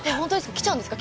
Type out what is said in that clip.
来ちゃうんですか。